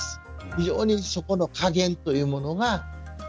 非常にそこの加減というものが難しい。